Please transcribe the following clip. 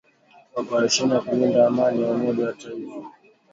operesheni ya kulinda Amani ya Umoja wa mataifa